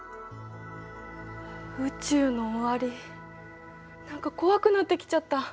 宇宙の終わり何か怖くなってきちゃった。